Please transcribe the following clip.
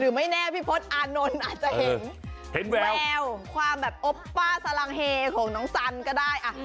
ไม่แน่พี่พศอานนท์อาจจะเห็นแววความแบบโอปป้าสลังเฮของน้องสันก็ได้